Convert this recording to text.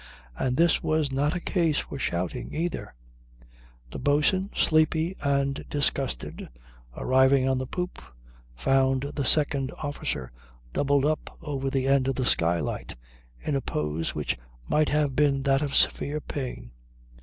And this was not a case for shouting, either." The boatswain, sleepy and disgusted, arriving on the poop, found the second officer doubled up over the end of the skylight in a pose which might have been that of severe pain.